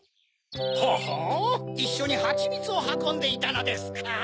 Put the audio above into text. ほほぉいっしょにハチミツをはこんでいたのですか。